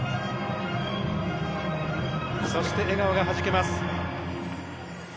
そして、笑顔がはじけます。